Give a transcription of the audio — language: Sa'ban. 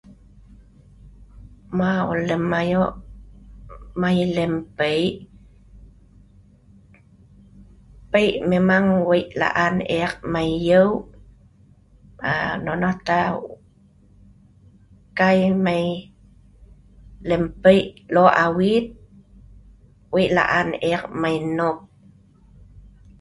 mau em lem ayo' mai lem pei', pei, memang wei laan eek mai yeuk', aa nonoh tah kai mai lem pei' lok awit wei laan eek mai nnop